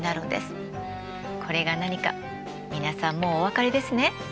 これが何か皆さんもうお分かりですね？